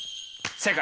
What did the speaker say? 正解。